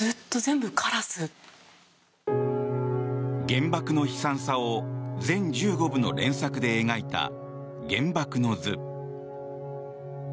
原爆の悲惨さを全１５部の連作で描いた「原爆の図」。